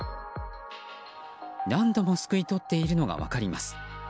何度もすくい取っているのが分かります。